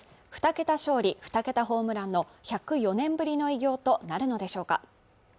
２桁勝利２桁ホームランの１０４年ぶりの偉業となるのでしょうか